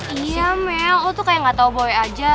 iya mel oh tuh kayak gak tau boy aja